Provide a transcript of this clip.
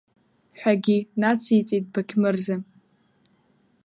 Ҳәагьы, нациҵеит Бақьмырза.